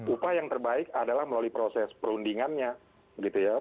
upah yang terbaik adalah melalui proses perundingannya gitu ya